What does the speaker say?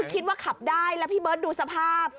นี่คือคิดว่าขับได้แล้วพี่เบิ้ดดูสภาพ